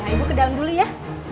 nah ibu ke dalam dulu ya